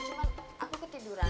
cuman aku ketiduran